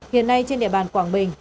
hiện nay trên địa bàn quảng bình